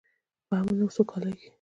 په امن او سوکالۍ کې.